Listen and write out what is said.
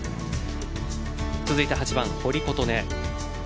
続いて８番、堀琴音。